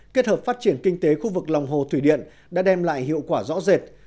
kết hợp phát triển kinh tế khu vực lòng hồ thủy điện đã đem lại hiệu quả rõ rệt